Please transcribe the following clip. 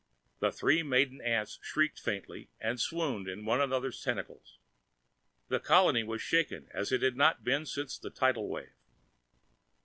The three maiden aunts shrieked faintly and swooned in one another's tentacles. The colony was shaken as it had not been since the tidal wave.